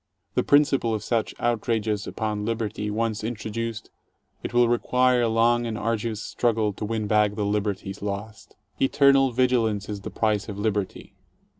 The principle of such outrages upon liberty once introduced, it will require a long and arduous struggle to win back the liberties lost. "Eternal vigilance is the price of liberty."